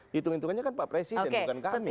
hitung hitungannya kan pak presiden bukan kami